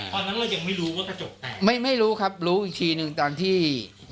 ตอนนั้นเรายังไม่รู้ว่ากระจกแตกไม่ไม่รู้ครับรู้อีกทีหนึ่งตอนที่